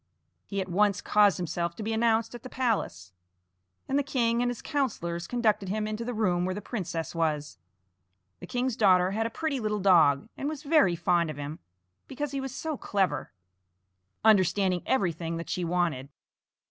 He at once caused himself to be announced at the palace, and the king and his councillors conducted him into the room where the princess was. The king's daughter had a pretty little dog, and was very fond of him, because he was so clever, understanding everything that she wanted.